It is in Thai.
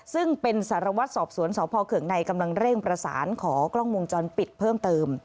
ซึ่งเป็นสารวัตรสอบสวนสพเขื่องในกำลังเร่งประสานขอกล้องวงจรปิดเพิ่มเติม